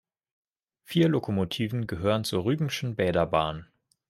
Vier Lokomotiven gehören zur Rügenschen Bäderbahn.